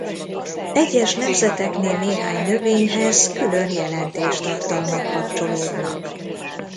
Egyes nemzeteknél néhány növényhez külön jelentéstartalmak kapcsolódnak.